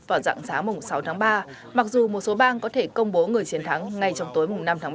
vào dạng sáng mùng sáu tháng ba mặc dù một số bang có thể công bố người chiến thắng ngay trong tối mùng năm tháng ba